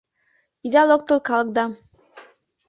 Ида локтыл калакдам!